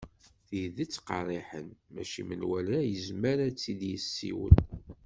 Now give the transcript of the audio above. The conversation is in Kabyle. Tidet qerriḥen mačči menwala yezmer a tt-id-yessiwel.